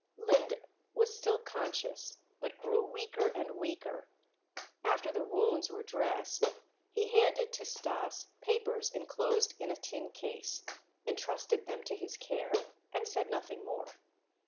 Linde was still conscious, but grew weaker and weaker. After the wounds were dressed, he handed to Stas papers enclosed in a tin case, entrusted them to his care, and said nothing more.